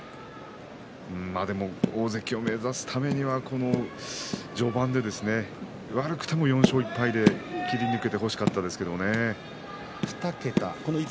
大関を目指すためには序盤で悪くても４勝１敗で切り抜けてほしかったですね。